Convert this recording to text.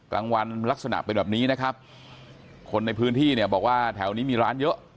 กลางวันลักษณะเป็นแบบนี้นะครับคนในพื้นที่เนี่ยบอกว่าแถวนี้มีร้านเยอะ